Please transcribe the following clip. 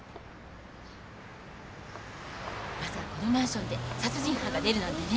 まさかこのマンションで殺人犯が出るなんてね。